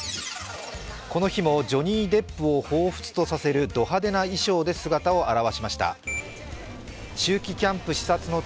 この日もジョニー・デップをほうふつとさせるド派手な衣装で姿を現しました。